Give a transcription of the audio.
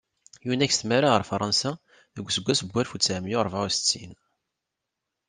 Yunag s tmara ɣer Fransa deg useggas n walef u tesεemya u rebεa u settin.